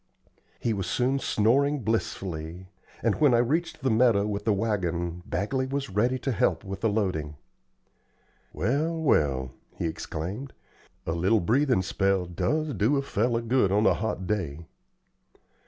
He was soon snoring blissfully, and when I reached the meadow with the wagon, Bagley was ready to help with the loading. "Well, well!" he exclaimed, "a little breathin' spell does do a feller good on a hot day."